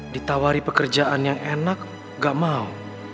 ditawari pekerjaan yang enak gak mau